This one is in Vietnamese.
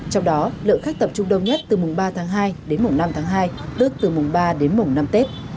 trong đó lượng khách tập trung đông nhất từ mùng ba tháng hai đến mùng năm tháng hai tức từ mùng ba đến mùng năm tết